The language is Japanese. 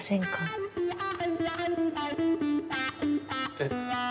えっ？